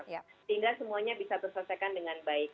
sehingga semuanya bisa terselesaikan dengan baik